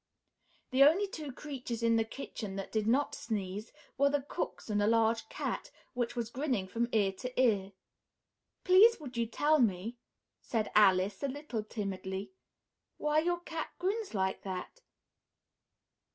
The only two creatures in the kitchen that did not sneeze were the cook and a large cat, which was grinning from ear to ear. "Please would you tell me," said Alice, a little timidly, "why your cat grins like that?"